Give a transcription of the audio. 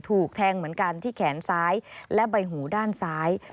ถูกแทงเหมือนกันที่แขนซ้ายและใบหูด้านซ้าย